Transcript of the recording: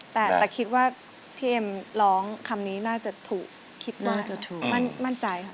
แต่คิดว่าที่เอมร้องคำนี้น่าจะถูกคิดได้มั่นใจครับ